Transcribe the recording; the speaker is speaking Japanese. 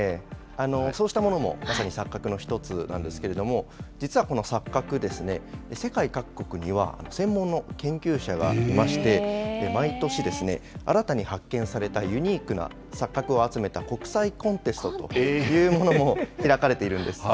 そうしたものもまさに錯覚の１つなんですけれども、実はこの錯覚ですね、世界各国には専門の研究者がいまして、毎年、新たに発見されたユニークな錯覚を集めた国際コンテストというものも開かれているんです。